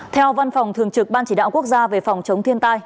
theo văn phòng thường trực ban chỉ đạo quốc gia về phòng chống thiên tai